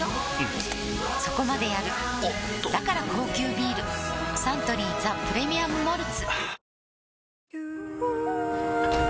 うんそこまでやるおっとだから高級ビールサントリー「ザ・プレミアム・モルツ」はぁー